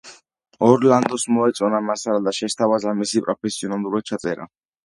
ორლანდოს მოეწონა მასალა და შესთავაზა მისი პროფესიონალურად ჩაწერა.